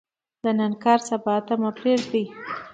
د نن کار سبا ته مه پریږدئ